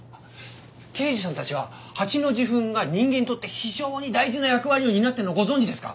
刑事さんたちは蜂の受粉が人間にとって非常に大事な役割を担っているのをご存じですか？